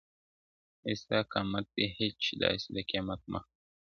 • اې ستا قامت دي هچيش داسي د قيامت مخته وي.